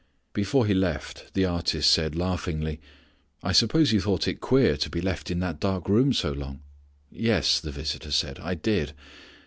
Before he left the artist said laughingly, "I suppose you thought it queer to be left in that dark room so long." "Yes," the visitor said. "I did."